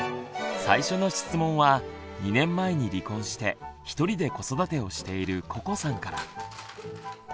最初の質問は２年前に離婚してひとりで子育てをしているここさんから。